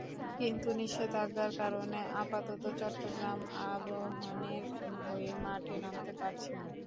কিন্তু নিষেধাজ্ঞার কারণে আপাতত চট্টগ্রাম আবাহনীর হয়ে মাঠে নামতে পারছি না।